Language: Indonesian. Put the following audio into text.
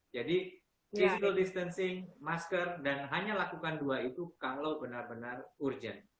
jadi physical distancing masker dan hanya lakukan dua itu kalau benar benar urgent